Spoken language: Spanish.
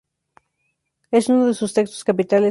Es uno de sus textos capitales hoy.